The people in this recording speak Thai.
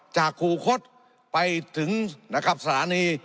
จากคู่คลตไปถึงสรานี